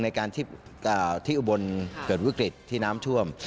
ในการที่อุบลเกิดวิกฤตที่น้ำท่วม